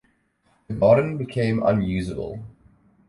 The garden became unusable.